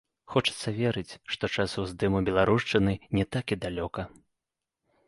Хочацца верыць, што час уздыму беларушчыны не так і далёка.